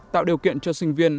tạo điều kiện cho sinh viên